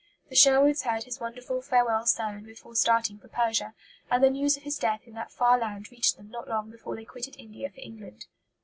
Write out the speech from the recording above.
The Sherwoods heard his wonderful farewell sermon before starting for Persia; and the news of his death in that far land reached them not long before they quitted India for England.